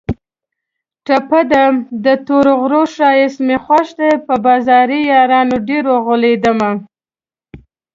ټپه ده: د تورو غرو ښایست مې خوښ دی په بازاري یارانو ډېر اوغولېدمه